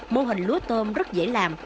mô hình lúa tôm rất dễ làm